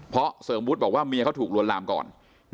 เพราะเสริมวุฒิบอกว่าเมียเขาถูกลวนลามก่อน